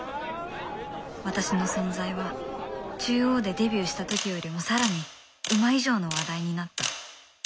私の存在は中央でデビューした時よりも更に馬以上の話題になった。